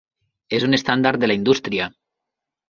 És un estàndard de la indústria.